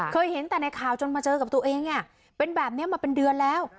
เคยเห็นแต่ในข่าวจนมาเจอกับตัวเองเป็นแบบนี้มาเป็นเดือนแล้ว